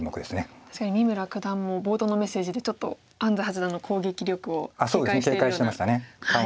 確かに三村九段も冒頭のメッセージでちょっと安斎八段の攻撃力を警戒しているような。